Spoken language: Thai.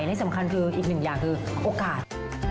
ที่สำคัญคืออีกหนึ่งอย่างคือโอกาส